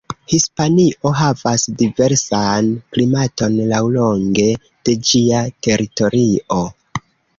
Hispanio havas diversan klimaton laŭlonge de ĝia teritorio.